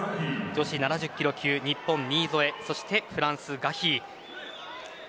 女子７０キロ級日本、新添そしてフランス、ガヒーです。